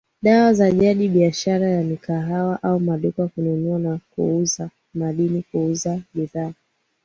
dawa za jadi biashara ya mikahawa au maduka kununua na kuuza madini kuuza bidhaa